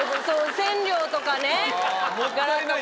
染料とかね柄とか。